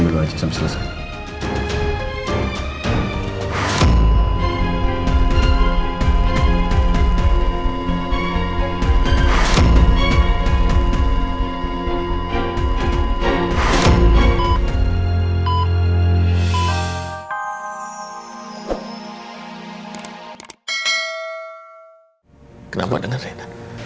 ya allah reina